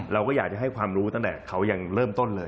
เราก็อยากจะให้ความรู้ตั้งแต่เขายังเริ่มต้นเลย